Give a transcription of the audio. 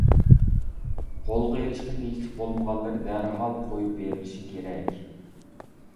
قولغا ئېلىشقا تېگىشلىك بولمىغانلىرى دەرھال قويۇپ بېرىلىشى كېرەك.